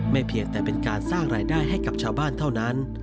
เพียงแต่เป็นการสร้างรายได้ให้กับชาวบ้านเท่านั้น